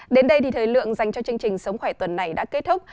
đến đây thì thời lượng dành cho chương trình sống khỏe tuần này đã kết thúc